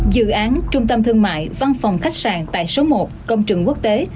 dự án trung tâm thương mại văn phòng khách sạn tại số một công trường quốc tế